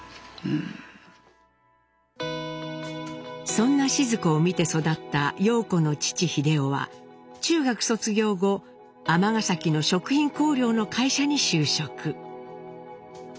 そんなシヅ子を見て育った陽子の父英夫は中学卒業後尼崎の食品香料の会社に就職。